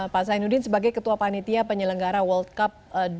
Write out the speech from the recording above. pak zainuddin sebagai ketua panitia penyelenggara world cup dua ribu dua puluh